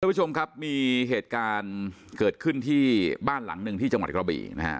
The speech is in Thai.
ผู้ชมครับมีเหตุการณ์เกิดขึ้นที่บ้านหลังหนึ่งที่จังหวัดกระบี่นะฮะ